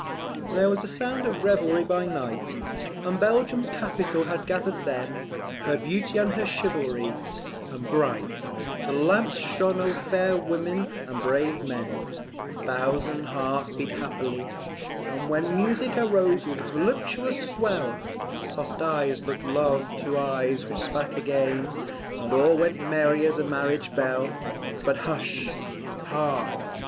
[There was a sound of revelry by night, And Belgium's capital had gather'd then Her Beauty and her chivalry, and bright The lamps shone o'er fair women and brave men; A thousand hearts beat happily; and when Music arose with its voluptuous swell, Soft eyes look'd love to eyes which spake again, And all went merry as a marriage bell; But hush! hark!